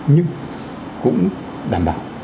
nhưng cũng đảm bảo